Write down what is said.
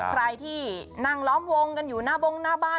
ใครที่นั่งล้อมวงกันอยู่หน้าบงหน้าบ้าน